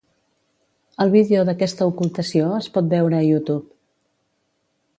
El vídeo d'aquesta ocultació es pot veure a YouTube.